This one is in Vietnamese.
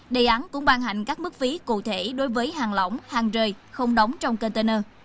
đề án cũng ban hành các mức phí cụ thể đối với hàng lỏng hàng rời không đóng trong container